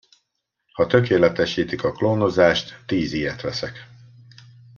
Ha tökéletesítik a klónozást, tíz ilyet veszek.